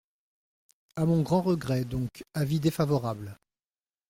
À mon grand regret, donc, avis défavorable.